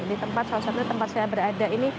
di tempat saya berada ini